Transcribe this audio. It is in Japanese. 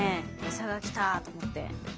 餌が来たと思って。